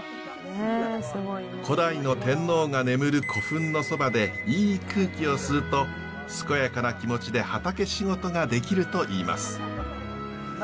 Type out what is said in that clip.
古代の天皇が眠る古墳のそばでいい空気を吸うと健やかな気持ちで畑仕事ができるといいます。